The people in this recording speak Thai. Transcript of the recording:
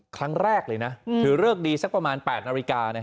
ครั้งแรกเลยนะถือเลิกดีสักประมาณ๘นาฬิกา